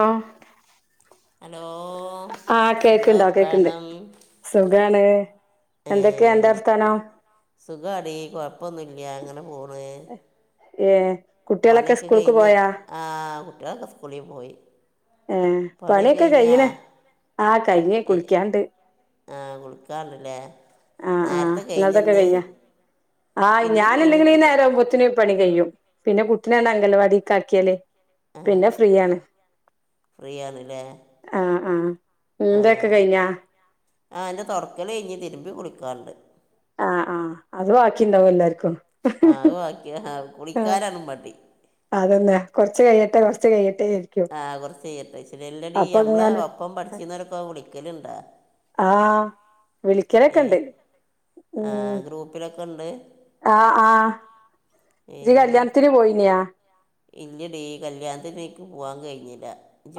ആഹ് hello എന്താ വർത്താനം? ണ്. ഏ എന്തൊക്കെയാ അന്റെ വർത്താനം? സുഖാടി കുഴപ്പമൊന്നും ഇല്ല ഇങ്ങനെ പോ ഏഹ് കുട്ടികളൊക്കെ പണിയൊക്കെ സ്കൂൾക്ക് കഴിഞ്ഞാ? പോയാ ആഹ് കുട്ടിയോളൊക്കെ സ്ക്കൂളിപോയി ഏ പണിയൊക്കെ കയ്യണ്. ആ കഴഞ്ഞ് ഏ, കുളിക്കാണ്ട്. ആ കുളിക്കാണ്ടല്ലേ ആ ആഹ് നേരത്തെ ഇങ്ങളതൊക്കെ കഴിഞ്ഞെന്ന് കഴിഞ്ഞ. ആ ഇൻ്റെ ഞാൻ അല്ലെങ്കിലും ഈ കഴിഞ്ഞിട്ടില്ല നേരാവുമ്പോത്തിന് പണി കഴിയും പിന്നെ കുട്ടിനാണ്ട് അംഗൽവാടിക്ക് ആക്കിയാല് പിന്നെ ഫ്രീയാണ്. ഫ്രീ ആണല്ലേ ആഹ ആഹ ആ ഇങ്ങൾന്തൊക്കെ കഴിഞ്ഞാ ആ ഇന്റെ തൊടക്കൽ കഴിഞ്ഞ് തിരുമ്പി കുളിക്കാണ്ട്. ആഹ് ആ അത് ബാക്കിണ്ടാവും എല്ലാർക്കും ആ അത് ബാക്കിയാ ആഹ് കുളിക്കാനാണ് മടി അതന്നെ കൊറച്ച് കഴിയട്ടെ കൊറച്ച് കയിയട്ടെ ടേരിക്കും ചെയട്ടോയ്ച് ഇതില്ലടി നമ്മളെ ഒപ്പം ആ പഠിച്ചിരിന്നോരൊക്കെ വിളി ക്കല്ണ്ടാ ആഹ് വിളിക്കലൊക്കെ ഏ ഇണ്ട് ആ ഉം ഗ്രൂപ്പിലൊക്കെ ഉണ്ട് ആഹ് ആഹ് ഏ ഇജ് കല്യാണത്തിന് പോയിന്യാ ഇല്ലടീ കല്യാണത്തിന് ക്ക് പോവാൻ കഴിഞ്ഞ് ല്ല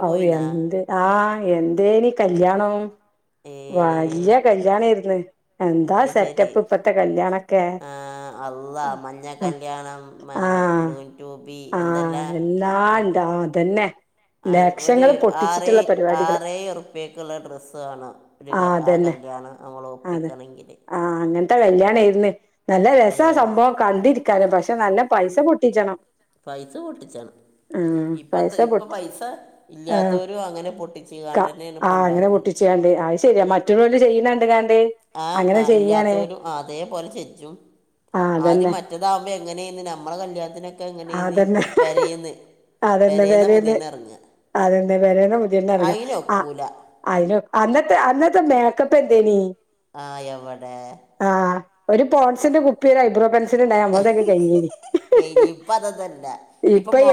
ഔ എന്ത് ആഹ് എന്തേനി കല്യാണം ഏ വല്യ കല്ല്യാ ണേര്ന്ന് എന്താ അത് ശരി സെറ്റപ്പ് ഇപ്പത്തെ കല്യാണൊക്കെ ആ, അല്ല മഞ്ഞ കല്യാണം മറ്റേ ആഹ് ഗ്രൂൻ ട്യൂബി ആഹ് എന്തെല്ലാം എല്ലാണ്ട് അതെന്നെ ഒരു ആറ് ആറേഴ്ർപ്പ്യക്കുള്ള ഡ്രസ്സ് വാണം ഒരു ആഹ് ആ അതന്നെ കല്യാണം നമ്മൾ ഒപ്പിക്കണെങ്കില് ഇ കല്ല്യാണേര്ന്ന് നല്ല രസ സംഭവം കണ്ടിരിക്കാനും സ- പക്ഷെ നല്ല പൈസ പൊട്ടിച്ചണം പൈസ പൊട്ടിച്ചാണ് ഉം പൈസ ഇപ്പത്തെ ഇപ്പം പൊട്ടി പൈസ ആ ഇല്ലാത്തവരും അങ്ങനെ പൊട്ടിച്ച് കാണ്ട് തന്നെയാണ് ആ ഇപ്പം അങ്ങനെ ഉണ്ടാക്കുന്നത് പൊട്ടിച്ച്യാണ്ടേ ശരിയാ മറ്റുള്ളോല് ചെയ്യ്ന്ന കണ്ട്കാണ്ട് ആ ആ ഇല്ലാത്തോരും അതേപലെ ചെജ്ജും ആഹ് ആദ്യം അതന്നെ മറ്റേതാവുമ്പോ എങ്ങനെയന്ന് നമ്മളെ കല്യാണത്തിനൊക്കെ എങ്ങനെയന്ന് പെരേന്ന് അതെന്നെ പേരന്ന് അതെന്നെ പേരേന്ന പുതിയെണ്ണ് എറങ്ങാ അ അതിനൊക്കൂല അയിന് ഒ അന്നത്തെ അന്നത്തെ മേക്കപ്പ എന്തേനി ആ എവടെ ആഹ് ഒരു പോൺസിന്റെ കുപ്പി ഒരു ഐബ്രോ പെൻ സില് ഇണ്ടായ നമ്മൾ തൊക്കെ കഴിഞ്ഞീനി കഴിഞ്ഞ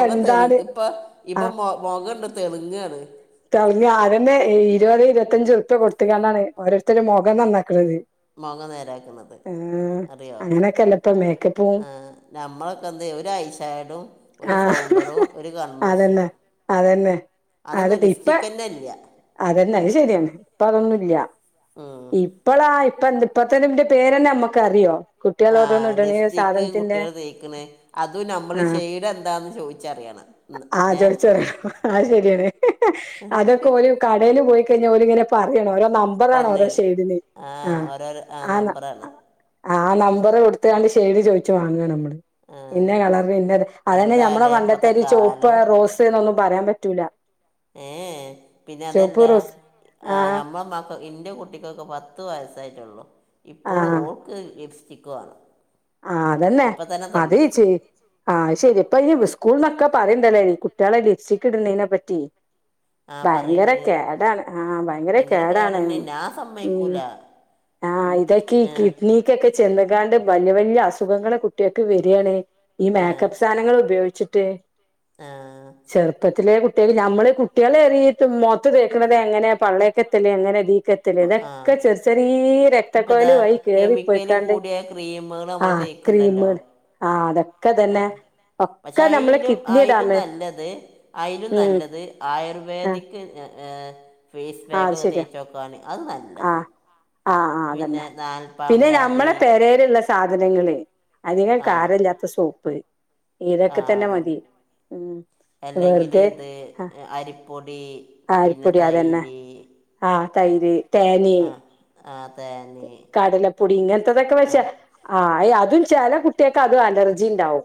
എന്താണ് ഇപ്പൊ ഇപ്പൊ ആഹ് മൊഖണ്ട് തെള്ങ്ങാ ണ് തെളങ്ങ അതന്നെ ഇരുപത് ഇരുപത്തഞ്ച് ഉറുപിയ കൊടുത്തക്കാണ്ടാണ് ഓരോരുത്തരു മൊഖം നന്നാക്കണത്. മൊഖം നേരാക്കണത് ആഹ് അറിയോ അങ്ങനെയൊക്കെല്ല ഇപ്പൊ മേക്കപ്പും നമ്മളൊക്കെ എന്ത് ഒരു ഐശാടും ഒരു ഫൗണ്ടറും ഒരു കൺമശിയും അതെന്നെ അതെന്നെ അതൊന്നും അതെന്നിട്ട് ഇപ്പ ലിപ്സ്റ്റിക് തന്നെ ഇല്ല അതെന്നെ അത് ശരിയാണ് ഇപ്പ അതൊന്നുല്ല ഉം. ഇപ്പള ആഹ് ഇപ്പ ഇപ്പത്തെ നിന്റെ പേരെന്നെ നമ്മക്ക് അറിയോ? കുട്ടികളോരോന്ന് ആഹ് ഇടണ ലിപ്സ്റ്റിക്ക് സാധനത്തിന്റെ കുട്ടികൾ തേക്കണ് അതും നമ്മള് ഷെയ്ഡ് എന്താന്ന് ചോദിച്ചറി ആഹ് ചോദിച്ചറിയണം അത് ശരിയാണ് അതൊക്കെ ഓര് കടേല് പോയി ക്കയിഞ്ഞാൽ ഓലിങ്ങനെ പറയണ് [unintelligible] പറഞ്ഞു തരും ആഹ് ഓരോരു ആ നമ്പറാണ്. ആ നമ്പറ് കൊടുത്താണ്ട് ഷേഡ് ചോദിച്ചു വാങ്ങവാണ് നമ്മള്. ആ ഇന്ന കളർന് ഇന്ന അതന്നെ മ്മടെ എന്താലേ പണ്ട ഇപ്പത്തെ ചുവപ്പ്, കാലം റോസ് [unintelligible] പറയാൻ പറ്റൂല. ഏഹ് പിന്നെ ചുവപ്പ് അതല്ലാ റോസ് ആ ആഹ് നമ്മളളെ മക്ക ഇനി എന്റെ കുട്ടിക്കൊക്കെ പത്ത് വയസ്സായിട്ടുള്ളു. ഇപ്പോളും ആ ഓൾക്ക് ലിപ് ക്കുവാ ആഹ് അതന്നെ അതേച്ചി അയ്ശരിയാ ഇപ്പ ഈ സ്കൂൾന്നൊക്ക പറയിണ്ടല്ലോ അയിന് ഈ കുട്ടികളെ ലിപ്സിക്ക് ഇടുന്നതിനെ പറ്റി. ആ ഭയങ്കര പറയണ്ട് കേടാണ് ആഹ് ഭയങ്കര കേടാണ് കേടന്നെ ഞാൻ ഉം സമ്മതിക്കൂല ആഹ് എനിക്ക് ഇതൊക്കെ ആ കിഡ്നക്കൊക്കെ ചെന്നി ക്കാണ്ട് ബല്ല്യ വല്ല്യ ല്ല്യ അസുഖങ്ങള് കുട്ട്യാക്ക് വരാണ് ഈ ആ മേക്കപ്പ് സാധനൾ ഉപയോഗിച്ചി ട്ട് ആഹ് ത്തിലേ കുട്ട്യാക്ക് നമ്മള് കുട്ടികളെ എറിയിട്ട് മൊകത്ത് തേക്ക്ണത് എങ്ങനെ പള്ളേക്കെത്തലെങ്ങനെ ഇതീ ക്കെത്തല് ഇതൊക്കെ ആഹ് ചെറി ചെറീ ഇപ്പതാ രക്തക്കൊയല് വഴി കെമിക്കല് കേറിപ്പോയിക്കാണ്ട് കൂടിയ ക്രീമുകൾ നമ്മള് തേക്ക്ണ്ടല്ലോ തന്നെ പക്ഷേ ഒക്കെ നമ്മളെ അയിലും കിഡ്നി അയിലും ഡാമേ നല്ലത് അയിലും ഉം നല്ലത് ആഹ് ആയർവേദിക് ഏഹ് ഫേസ് പാക്ക് അത് ഒക്കെ ശരിയാ തേചോക്കാന് അത് നല്ലതാ ആ ആ പിന്നെ അതന്നെ പിന്നെ നാൽപ്പാമ്പ്രാതി നമ്മളെ പെരേല്ള്ള സാധനങ്ങള് അധികം ആഹ് കാരല്ലാത്ത സോപ്പ് ഇതൊക്കെ ആഹ് തന്നെ മതി അതന്നെ ഉം അല്ലെങ്കില് വെറുതെ ഇത് ആഹ് അരിപ്പൊടി പിന്നെ ആരിപ്പൊടി അതന്നെ തൈര് ആഹ് തൈര് തേന്, ആഹ് ആഹ് തേന് പിന്നെ കടലപ്പൊടി ഇങ്ങനത്തതൊക്കെ വെച്ചാ ആഹ് അയ് അ തും ചെല കുട്ട്യക്ക് അതും അലർജി ഇണ്ടാവും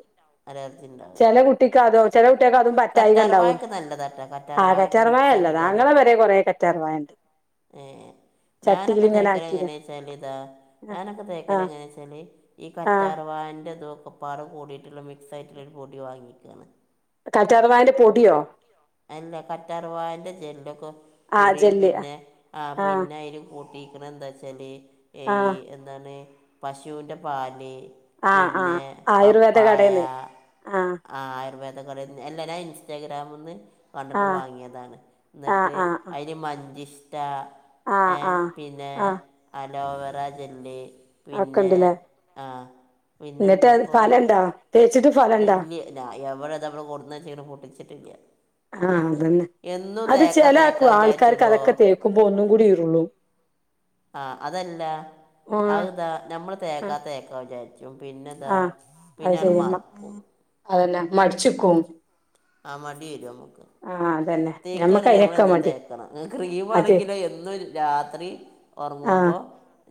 അലർജി ഉണ്ടാവും ചെല കുട്ടിക്കാതോ ചെല കുട്ട്യക്ക് അതും കുട്ടികൾക്ക് പറ്റായിക ഇണ്ടാവൂലേ കറ്റാർവാഴൊക്കെ നല്ലതാട്ടോ ആഹ് കറ്റാർവാഴൊക്കെ മിക്സ് കറ്റാർവാഴല്ല ആക്കിക്കാണ്ട് ഞങ്ങളെ പെരേ കൊറേ കറ്റാർവാഴണ്ട് ഏ ചട്ടിൽ ഞാനൊക്കെ ഇങ്ങനെ തേക്കല് ആക്കില്ലേ എങ്ങനെച്ചാല് ഇതാ ഞാനൊക്കെ ആ ആ തേക്കല് എങ്ങനെച്ചാല് ഈ ആ കറ്റാർവാഴന്റെ ഇതൊ ക്കൊപ്പാടെ കൂടിയിട്ട്ള്ള മിക്സ് ആയിട്ട്ള്ളൊരു പൊടി വാങ്ങിക്കാണ് കറ്റാർവാഴന്റെ പൊടിയോ അല്ല കറ്റാർവാഴന്റെ ജെല്ലൊക്കെ ആ പൊടി ജെല്ല് പിന്നെ ആ പിന്നെ അയില് കൂട്ടി പിന്നെ എന്താചാല് ആ ഏയ് എന്താണ് പശുന്റെ പാല് ആ ആ പിന്നെ ആയുർവേദ പപ്പായ കടേന്ന് ആ ആയുർവേ തകടെന്നെ അല്ല ഞാൻ ഇൻസ്റ്റാഗ്രാമ്ന്ന് ആ കണ്ടിട്ട് വാങ്ങിയതാണ് ഇന്നിട്ട് അയ്ല് മഞ്ചിഷ് റ്റാ ആഹ് ആഹ് ആഹ് ഡോവരാജൻ്റെ പിന്നെ ഉണ്ടല്ലേ ആഹ് പിന്നെ എന്നിട്ട് അത് എന്താപ്പൊ ഫലണ്ടോ തേച്ചിട്ട് ഫലണ്ടോ ഇല്യ ഞാ എവടെ ഇതാ ഇവടെ കൊടുന്നെച്ചിക്ക്ണ് പൊട്ടിച്ചിട്ടില്യ. ആ അതന്നെ എന്നും അത് തേക്കാ ചില ആക്കു തേക്കാ ആൾക്കാർക്ക് വിചാരിച്ചുടോ അതൊക്കെ തേക്കുമ്പോ ഒന്നും കൂടി ഇരുള്ളൂ [unintelligible] ആഹ് അതല്ല ആ അത് ഇതാ ഞമ്മള് ആ തേക്കാ തേക്കാ വിചാ പിന്നെ ഇതാ ആ അത് പിന്നെ അങ്ങ്ട് ശരിയാ മ മറക് അതന്നെ മടിച്ചിക്കും. ആഹ് മടി വെരും ഇമുക്ക് ആ അതന്നെ ഞമ്മക്ക് തേക്കാണെങ്കി നമ്മള് അയിനൊക്കെ എന്നും മടി തേക്കണം, ക്രീം അത് ആണെങ്കിലോ എന്നും രാത്രി ആ ഒറങ്ങുമ്പോ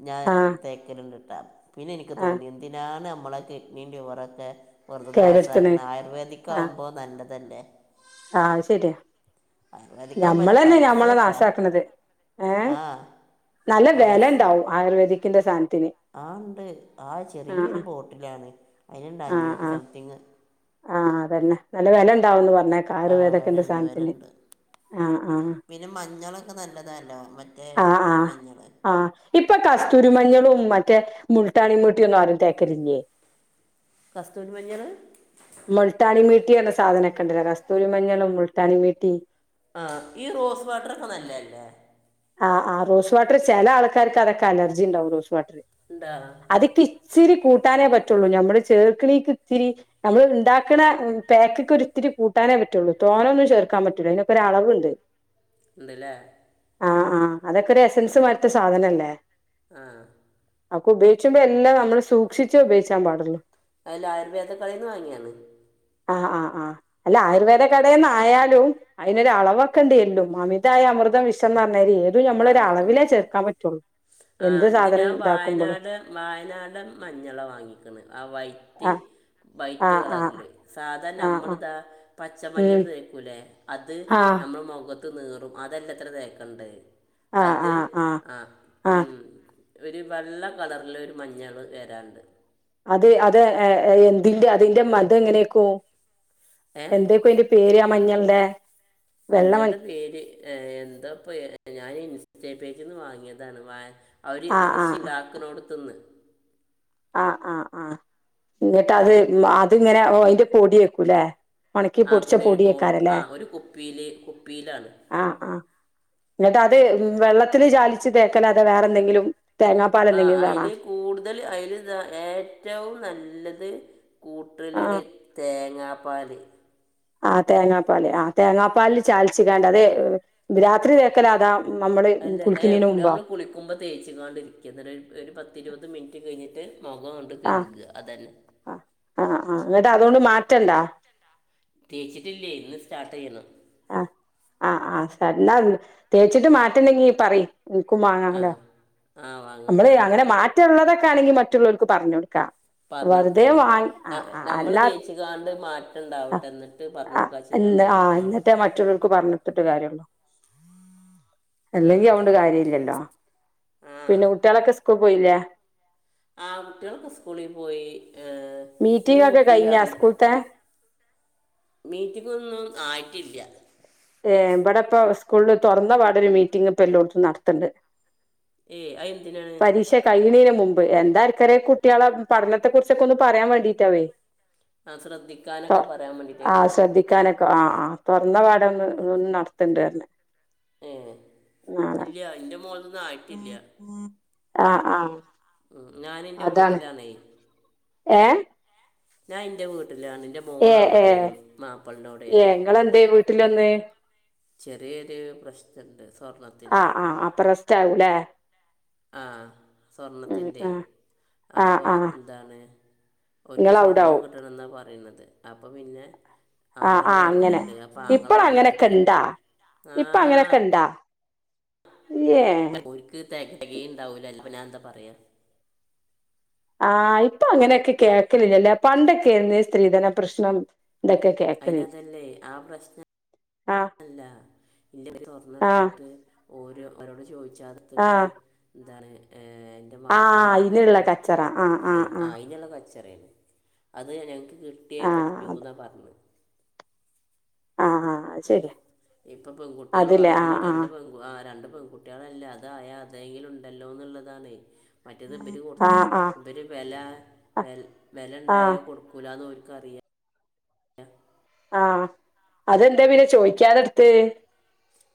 ഞാൻ ആ തേക്കലിണ്ട് [unintelligible] പിന്നെ എനിക്ക് ആ തോന്നി എന്തിനാണ് [unintelligible] മ്മടെ കിഡ്നീം ലിവറൊക്കെ വെറുതെ കേടെടുത്തണ് നാസാക്കിണ് ആയുർവേദിക് ആ ആവുമ്പോ നല്ലതല്ലേ ആഹ് അത് ശെരിയാ ആയുർവേദിക് ആവുമ്പോൾ ഞമ്മള് തന്നെ പൈസ ഞമ്മളെ കേട്ടാ നാശാക്കണത്, ഏഹ് ആ നല്ല വെല ഇണ്ടാവും ആയുർവേദിക് ക്കിൻ്റെ സാനം ആഹ് ഇണ്ട് ആ ചെറിയൊരു ആഹ് ബോട്ടിലാണ് അയിൻണ്ട് ആഹ് അഞ്ഞൂറ്റി ആഹ് സംതിങ് [unintelligible] പർഞ്ഞെ ആ ആയുർവേദത്തിന്റെ വിലയുണ്ട് സാധനത്തിന് വിലയുണ്ട് ആഹ് ആഹ് പിന്നെ മഞ്ഞളൊക്കെ നല്ലതല്ല മറ്റേ ആഹ് ആഹ് മഞ്ഞൾ ആഹ് ഇപ്പൊ കസ്തൂരിമഞ്ഞളും മ മറ്റേ മുൾട്ടാണിമൂട്ടിയൊന്നും ആരും തേകലില്ലേ കസ്തൂരി മഞ്ഞൾ മിൾട്ടാണി മിൾട്ടി പറഞ്ഞ സ് സാധനക്കണ്ടല്ലാ കസ് കസ്തൂരി മഞ്ഞളും മുൾട്ടാണി മിട്ടി ആഹ് ഈ റോസ് വാട്ടറൊക്കെ നല്ലല്ലേ വാട്ടറ് ചില ആൾക്കാർക്ക് അതൊക്കെ അലർജിണ്ടാവും വട്ടർ ഉണ്ടോ അതിക്കി ഇച്ചിരി കൂട്ടാനേ പറ്റുള്ളൂ നമ്മുടെ ചേർക്കിണിക്ക് ഇത്തിരി നമ്മൾ ഇണ്ടാക്കണ പാക്ക് ക്കൊരിത്തിരി കൂട്ടാനേ പറ്റുള്ളൂ തോനെന്നും ചേർക്കാൻ പറ്റൂല അയ്നൊക്കെ ഒരളവുണ്ട് ഇണ്ട്ല്ലേ ആഹ് ആഹ് അതൊക്കെ ഒരു എസൻസ് മാരിത്തെ സാധനല്ലേ ആഹ് അപ്പൊ ഉപയോഗിച്ചുമ്പോ എല്ലാം നമ്മള് സൂക്ഷിച്ചേ ഉപയോഗിച്ചാൻ പാടുള്ളൂ അയ്ലെ ആയുർവേദ കടയിന്ന് വാങ്ങിയാണ് ആഹ് ആഹ് ആഹ് അല്ല ആയുർവേദ കടേന്നായാലും അയ്നൊരു അളവക്കണ്ടി എല്ലും അമിതായ അമൃതം വിഷന്നാ ആഹ് ആഹ് ആ എന്ത് ഇത് സാധനം ഞാൻ ഇതാക്കുമ്പോളും വായനാട് വായനാട് മഞ്ഞള വാങ്ങിക്ക്ണ് ആ വൈറ്റ് ആഹ് വൈറ്റ് ആഹ് ആഹ് കളറില് സാധാ ആഹ് ആഹ് നമ്മള്താ പച്ചമഞ്ഞൾ ഉം തേക്കൂലേ അത് ആഹ് നമ്മുടെ മൊഖ ത് നീറും അതല്ലത്രേ തേക്കണ്ടത് ആഹ് അത് ആഹ് ആഹ് ആ ഉം ഒരു വെള്ള കളറില് ഒരു മഞ്ഞള് വരാണ്ട് അത് അത് എ എ എന്തിന്റെ അതിന്റെ മതം എങ്ങനെക്കും എന്തെയ്ക്കും അതിന്റെ പേര് ആ മഞ്ഞൾ ടേ മഞ്ഞളിന്റെ പേര് എ എന്താപ്പ ഞാന് ഇൻ സ്റ്റാ പേജ്ന്ന് വാങ്ങിയതാണ് വാ അവര് ആ ആ കൃഷിണ്ടാക്ക്ണോട്ത്ത്ന്ന് ആഹ് ആഹ് ആഹ് എന്നിട്ട് ഏ അത് അതിങ്ങനെ ഓ അയിന്റെ പൊടിയേക്കൂലേ ആ പൊടിയൊരു ബോ ആ ഒരു കുപ്പിയില് കുപ്പിയിലാണ് ആ ആ എന്നിട്ട് അത് വെള്ളത്തില് ചാലിച്ച് തേക്കലാ അതാ വേറെ എന്തെങ്കിലും തേങ്ങാപ്പാൽ ആഹ് എന്തെങ്കിലും അയിൽ വേണോ കൂട്തെൽ അയിൽ താ ഏറ്റവും നല്ലെത് കൂട്ടെൽ ആ അയി തേ ങ്ങാപ്പാൽ ആഹ് തേങ്ങാപ്പാൽ ആഹ് തേങ്ങാപ്പാല്ൽ ചാൽച്ച് കാണ്ട് അതെ രാത്രി തേക്കെലാ അതാ നമ്മള് അല്ല ഏ കുളിക്കുന്നതിന് മുമ്പോ നമ്മള് കുളിക്കുമ്പോ തേച്ച് കാണ്ടിരിക്ക ഇന്ന്ട്ട് ഒരു പത്തി ഇരുപത് മിനിറ്റ് കഴിഞ്ഞി ത് മൊഖം ങ്ങട്ട് ആ കഴുക അതെന്നെ റ്റണ്ടാ തേച്ച്ട്ടില്ലേ ഇന്ന് സ്റ്റാർട്ട് ചെയ്യണം ആഹ് ആഹ് ആഹ് എന്നാ തേച്ച്ട്ട് മാറ്റണ്ടെങ്കി പറി. ഇൻക്കും ആ മാങ്ങണംല്ലേ ആ വാങ്ങാം നമ്മള് ആ അങ്ങനെ മാറ്റള്ളതൊ ക്കാണെങ്കി മറ്റുള്ളോർക്ക് പറഞ്ഞൊട്ക്കാ പറഞ്ഞൊട്ക്കെ നമ്മള് അല്ലാ തേച്ച്കാണ്ട് മാ ആഹ് ആഹ് ഞാൻ ആഹ് ഇന്നോട് ഇന്ന്ട്ടെ മറ്റുള്ളോർക്ക് പറഞ്ഞൊട്ത്ത്ട്ട് കാര്യള്ളൂ ആ അല്ലെങ്കി അതോണ്ട് കാര്യല്ലല്ലോ പിന്നെ കുട്ട്യളൊക്കെ സ്കൂ പോയില്ല ആഹ് കുട്ടികൾക്കെ സ്കൂളി പോയി. ആഹ് ന്റെ മീറ്റിംഗ് ഒക്കെ കുട്ടി കഴിഞ്ഞാ ആയില്യ സ്കൂൾത്തെ മീറ്റിങ്ങൊന്നും ആയ്ട്ടില്ല്യ. ഏഹ് വ്ടെപ്പോ സ്കൂൾല് തൊറന്ന പാടൊരു മീറ്റിംങ്പ്പൊല്ലോട്ത്തും നടത്ത്ണ്ട്. ഏ അതെന്തിനാണ് പരീക്ഷ കഴീണെന് മുമ്പ്. എന്താർക്കറിയാ കുട്ടികള പഠനത്തെ കുറിച്ചൊക്കെ ഒന്ന് പറയാൻ വേണ്ടീട്ടാവേ. അഹ് തൊ ശ്രദ്ധിക്കാനൊക്കെ പറയാൻ വേണ്ടിട്ടേക്കും. ആഹ് തൊറന്നപാടെ ഒന്ന്. ഒന്ന് നട്ത്തണ്ട് പർഞ്. ഏഹ് ഇല്ല്യ ന്റെ മോൾത് നാ- ആയിട്ടില്ല്യ ആ ആ ഞാന്ൻ്റെ അതാണ് വീട്ടിലാണേ ഏ ഞാൻ ന്റെ വീട് ട്ടിലാണ് ന്റെ ഏ ഏ മോളവടെണ് മാപ്പൾന്റോടേണ് ട്ടിലൊന്ന് ചെറിയൊരു പ്രശ്നണ്ട് ആ സ്വർണത്തിന്റെ ആ അപ്പ റെസ്റ്റ് ആവൂലേ ആ സ്വർണത്തിന്റെ ഉം ആ അപ്പോ ആ ആ എന്താണ് ഓര്ക്ക് സ്വർണം ഇങ്ങളവിടാവും കിട്ടണന്നാ പറയ്ണത് അപ്പം പിന്നെ ആ ആങ്ങളെ ആ അങ്ങനെ വരുന്നുണ്ട് അപ്പോൾ ആങ്ങളെ വന്നിട്ട് തീരും ഇപ്പളങ്ങനക്കെണ്ടൊ ഇപ്പ ആ അങ്ങനെക്കെണ്ടൊ ഏ തെകേകിണ്ടവൂല അല്ലപ്പ ഞാ എന്താ പറയാ.? ആഹാ ഇപ്പങ്ങനെക്കെ കേക്കലില്ലല്ലേ പണ്ടൊക്കേന്ന് സ്ത്രീധന പ്രശ്നം. ഇതൊക്കെ കേക്കല് അയിനതല്ലേ ആഹ് പ്രശ്നം ആ അല്ല ഇല്ലവര് ആ ഒർണെടുത്തിട്ട് ഓരോ ഓനോട്‌ ചോ ചേർത്തിട്ട് ന്താണ് ആഹ് ഇതിനുള്ള കച്ചറ ആഹ് ആയി ആഹ് ആഹ് അതിനുള്ള അത് ഞങ്ങ്ക്ക് കിട്ടിയേ ആഹ് അത് പറ്റൂന്നാ പറഞ്ഞെ ആഹ് ആഹ് അത് എഹ് ശരിയാ ഇപ്പൊ പെൺകുട്ടികള് അതില്ലേ വളർന്നു ആഹ് രണ്ട് ആഹ് പെങ്കു ആഹ് രണ്ട് പെൺകുട്ടികളല്ല അതായ അതെങ്കിലുംണ്ടല്ലോന്നുള്ളതാണ് മറ്റേത് ഇവര് കൊടുത്ത് ആഹ് ആഹ് ഇവര് വെല വെൽ അഹ് ആഹ് വെല്ണ്ടായാൽ കൊടുക്കൂലാന്നൊരു ക്കറിയ ആഹ് അതെന്താ പിന്നെ ചോയിക്കാതെടുത്ത്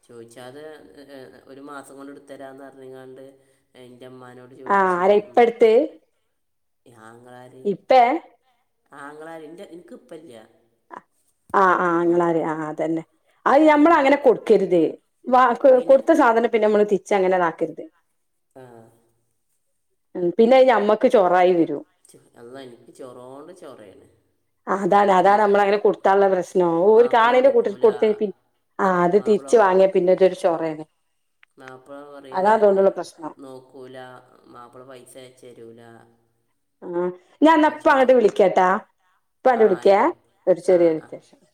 ചോയിച്ചാ അത് ര് ഒരു മാസം കൊണ്ട് എടുത്തരാന്ന് പറഞ്ഞിങ്ങോണ്ട് ന്റെമ്മാനോട് ആഹ് ചോയിച്ച് ആരാ ഇപ്പടുത്ത് ആങ്ങളാര് ഇപ്പേ ആങ്ങളാ ന്റെ നിക്കുപ്പ ഇല്ല ആ ആങ്ങളാ ര് ആഹ് അതന്നെ അത് ഞമ്മൾ അങ്ങനെ കൊടുക്കരുത് വ അതിന് കൊടുത്ത സാധനം പിന്നെ മ്മള് തി ചങ്ങനതാക്കര്ത് ആഹ് ഉം പിന്നെ ഞമ്മക്ക് ചൊറായിരും ച എന്നാ എനിക്ക് ചൊറോണ്ട് ചൊറയാണ് ന്റെ മ തള്ള പ്രശ്നോ ഓഹ് ഒരു ആണിന്റെ കൂട്ടർക്ക് കൊടുത്തേപിന് ആഹ് അത് മാപ്പിള തിരിച്ച് വിളി വാങ്ങിയ പിന്നെരു ചൊറയാണ് മാപ്പിള പറയ്ഞ്ഞ അതാ എ തോന്നുന്നുള്ള പ്രശ്നം നോക്കൂല മാപ്പിള പൈസയച്ചരൂല ആഹ് ഞാനന്ന്പ്പങ്ങട്ട് വിളിക്കാട്ടാ പ്പങ്ങട് ആ വിളിക്ക ആയിക്കോ ഒരു ആ ആ ചെറിയൊരത്യാവശ്ണ്ട്